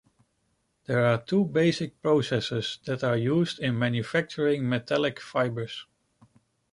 There are two basic processes that are used in manufacturing metallic fibers.